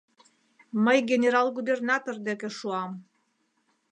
Мый генерал-губернатор деке шуам!..